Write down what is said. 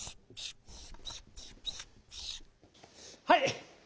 はい！